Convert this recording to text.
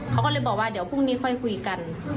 เขาก็เลยบอกว่าเดี๋ยวพรุ่งนี้ค่อยคุยกัน